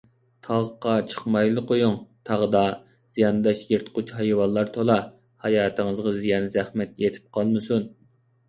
تاغقا چىقمايلا قويۇڭ، تاغدا زىيانداش يىرتقۇچ ھايۋانلار تولا، ھاياتىڭىزغا زىيان - زەخمەت يېتىپ قالمىسۇن.